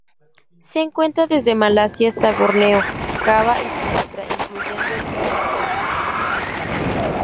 Se encuentra desde Malasia hasta Borneo, Java y Sumatra, incluyendo el río Mekong.